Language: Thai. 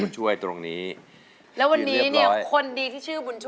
เชิญตรงนี้เลยครับ